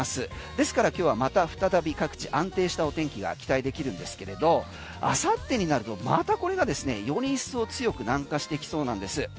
ですから今日はまた再び各地、安定したお天気が期待できるんですけれどあさってになるとまたこれがより一層強く南下してきそうなんです。